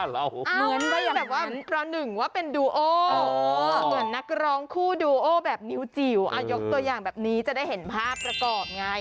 แล้วเป็นกรองคู่ดูโอแบบนิวจิ๋วยกตัวอย่างแบบนี้จะได้เห็นภาพประกอบไง